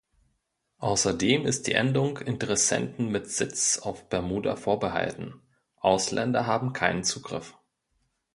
Außerdem ist die Endung Interessenten mit Sitz auf Bermuda vorbehalten, Ausländer haben keinen Zugriff.